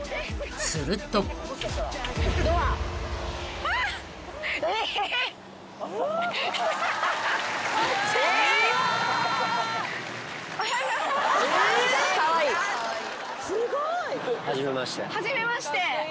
［すると］初めまして。